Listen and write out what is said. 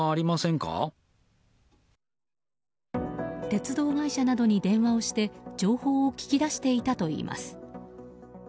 鉄道会社などに電話をして情報を聞き出していたといいます。